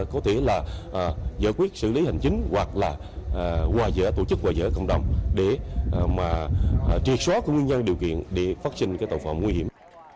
có thể là giải quyết xử lý hành chính hoặc là tổ chức hòa giải ở cộng đồng để mà triệt xóa các nguyên nhân điều kiện để phát sinh cái tàu phòng nguy hiểm